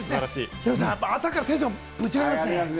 ヒロミさん、朝からテンションぶち上がりますね。